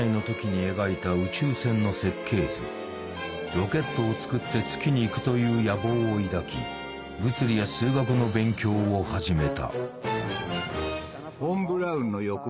ロケットを作って月に行くという野望を抱き物理や数学の勉強を始めた。